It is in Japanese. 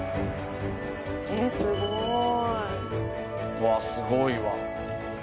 うわっすごいわ。